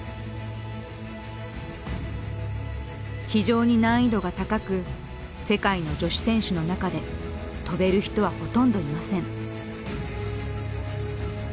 非常に難易度が高く世界の女子選手の中で飛べる人はほとんどいません。